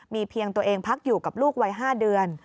มีเพียงตัวเองพักอยู่กับลูกวัย๕เดือน